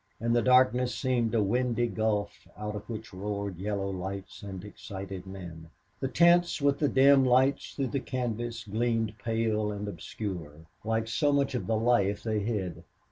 And the darkness seemed a windy gulf out of which roared yellow lights and excited men. The tents, with the dim lights through the canvas, gleamed pale and obscure, like so much of the life they hid.